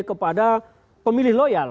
kepada pemilih loyal